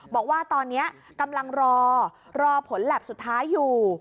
บอกว่าตอนนี้กำลังรอรอผลแล็บสุดท้ายอยู่